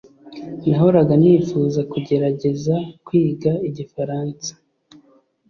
Nahoraga nifuza kugerageza kwiga igifaransa